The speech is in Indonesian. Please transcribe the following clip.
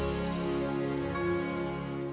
mak atsheng tidak mau berpikir